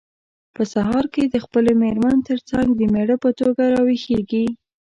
په سهار کې د خپلې مېرمن ترڅنګ د مېړه په توګه راویښیږي.